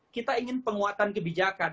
kita ingin penguatan kebijakan